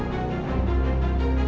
bingung pengen ketemu